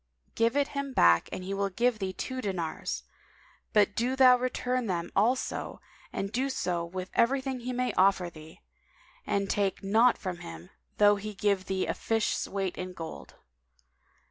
Give it him back and he will give thee two dinars; but do thou return them also and so do with everything he may offer thee; and take naught from him, though he give thee the fish's weight in gold.